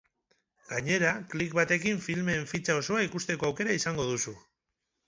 Gainera, klik batekin filmeen fitxa osoa ikusteko aukera izango duzu.